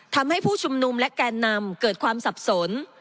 ทำให้ผู้ชุมนุมและแกนนำเกิดความสับสน